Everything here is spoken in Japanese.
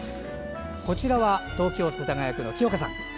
こちらは東京・世田谷区のきよかさん。